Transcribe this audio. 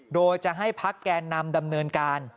โดยจะให้พักแกนนำดำเนินการ